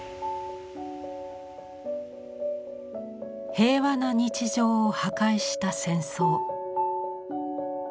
平和な日常を破壊した戦争。